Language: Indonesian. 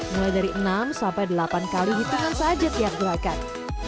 mulai dari enam sampai delapan kali hitungan saja tiap gerakan